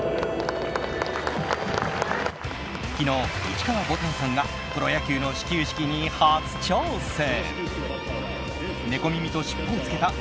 昨日、市川ぼたんさんがプロ野球の始球式に初挑戦。